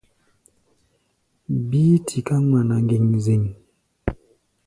Bíí tiká ŋmana ŋgeŋzeŋ.